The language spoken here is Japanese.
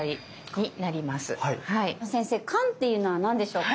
先生肝っていうのは何でしょうか？